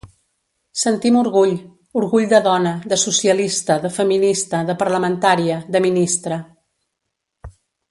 Sentim orgull; orgull de dona, de socialista, de feminista, de parlamentària, de ministra.